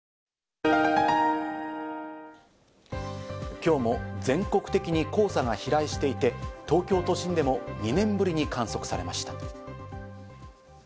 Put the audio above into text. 今日も全国的に黄砂が飛来していて、東京都心でも２年ぶりに観測されました。